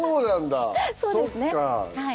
そっか。